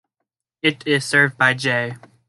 It is served by J.